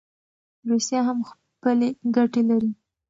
روسیه هم خپلي ګټي لري.